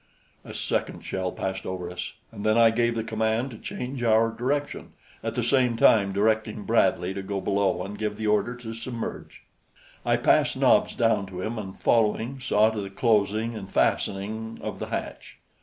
A second shell passed over us, and then I gave the command to change our direction, at the same time directing Bradley to go below and give the order to submerge. I passed Nobs down to him, and following, saw to the closing and fastening of the hatch.